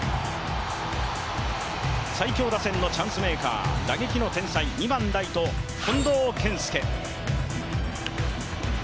最強打線のチャンスメーカー、打撃の天才、２番ライト・近藤健介。